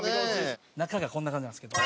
中がこんな感じなんですけど。